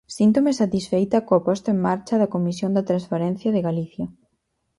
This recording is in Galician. Síntome satisfeita coa posta en marcha da Comisión da Transparencia de Galicia.